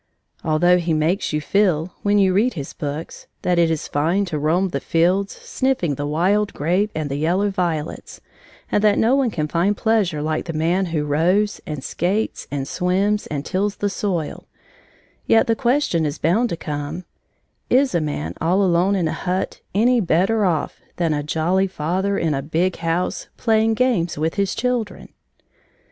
Although he makes you feel, when you read his books, that it is fine to roam the fields, sniffing the wild grape and the yellow violets, and that no one can find pleasure like the man who rows, and skates, and swims, and tills the soil, yet the question is bound to come: "Is a man all alone in a hut any better off than a jolly father in a big house, playing games with his children?"